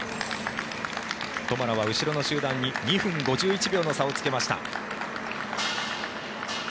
トマラは後ろの集団に２分５１秒の差をつけました。